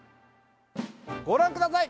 ご覧ください。